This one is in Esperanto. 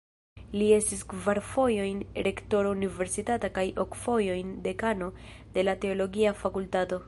Li estis kvar fojojn rektoro universitata kaj ok fojojn dekano de la teologia fakultato.